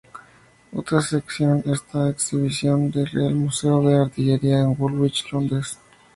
Otra sección está en exhibición en El Real Museo de Artillería, Woolwich, Londres.